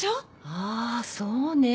ああそうね。